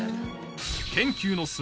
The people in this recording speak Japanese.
研究の末